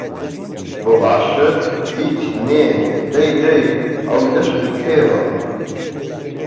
بۆ ئاشق هیچ نێ دەی دەی ئەو دەشت و کێوە